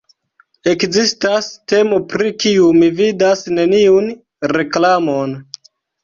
Ekzistas temo pri kiu mi vidas neniun reklamon: